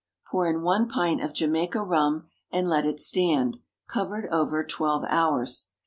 Pour in one pint of Jamaica rum, and let it stand, covered over, twelve hours.